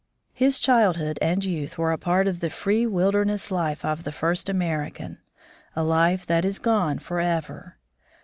His child hood and youth were a part of the free wilder ness life of the first American — a life that is gone forever